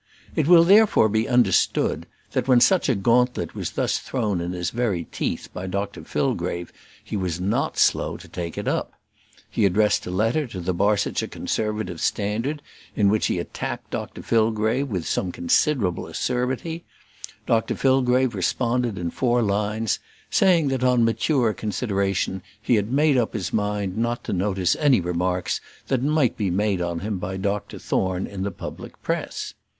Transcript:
It will therefore be understood, that when such a gauntlet was thus thrown in his very teeth by Dr Fillgrave, he was not slow to take it up. He addressed a letter to the Barsetshire Conservative Standard, in which he attacked Dr Fillgrave with some considerable acerbity. Dr Fillgrave responded in four lines, saying that on mature consideration he had made up his mind not to notice any remarks that might be made on him by Dr Thorne in the public press.